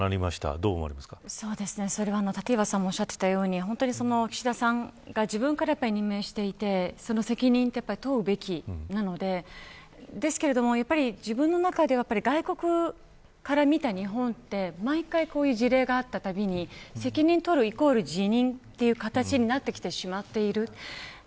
立岩さんもおっしゃっていたとおり、岸田さんが自分から任命してその説明、責任は問うべきなんで自分の中では外国から見た日本は毎回こういう事例があったたびに責任を取るイコール辞任という形になってきてしまっている。